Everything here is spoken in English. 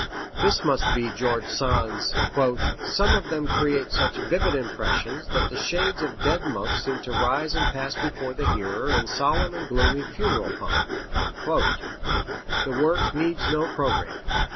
This must be George Sand's: "Some of them create such vivid impressions that the shades of dead monks seem to rise and pass before the hearer in solemn and gloomy funereal pomp." The work needs no programme.